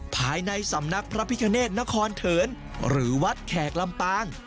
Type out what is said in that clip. ภายในสำนักพระพิคเนธนครเถินหรือวัดแขกลำปาง